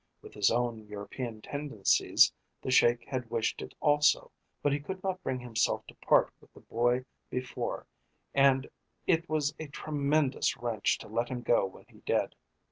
With his own European tendencies the Sheik had wished it also, but he could not bring himself to part with the boy before, and it was a tremendous wrench to let him go when he did.